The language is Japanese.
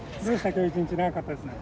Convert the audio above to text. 今日一日長かったですね。